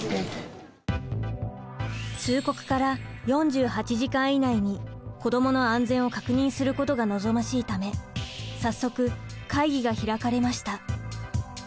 通告から４８時間以内に子どもの安全を確認することが望ましいため早速会議が開かれました。